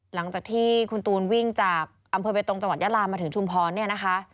หลังจากที่คุณตูนวิ่งจากอำเภอเบตรงจังหวัดยาลามาถึงชุมพรเนี่ยนะคะ